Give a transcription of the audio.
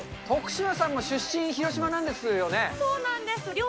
徳島さんも出身広島なんですそうなんです。